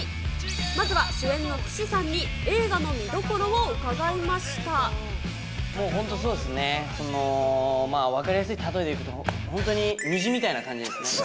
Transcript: まずは主演の岸さんに映画の見ど本当そうですね、分かりやすい例えでいうと、本当に虹みたいな感じですね。